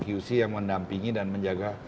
qc yang mendampingi dan menjaga